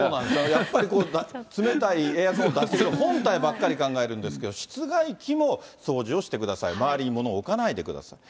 やっぱり冷たいエアコン出す、本体ばっかり考えるんですけど、室外機も掃除をしてください、周りにものを置かないでください。